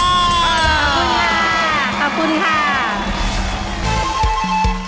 ขอบคุณค่ะ